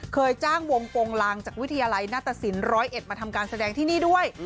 เคยจ้างวงโปรงลางจากวิทยาลัยหน้าตสิน๑๐๑มาทำการแสดงที่นี่ด้วย